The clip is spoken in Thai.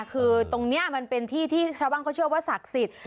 คือตรงนี้มันเป็นที่ที่ชาวบ้านเขาเชื่อว่าศักดิ์สิทธิ์